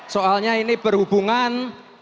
soalnya ini berhubungan dengan